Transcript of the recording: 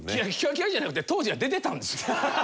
際々じゃなくて当時は出てたんですよ。